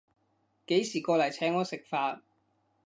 幾時過來請我食飯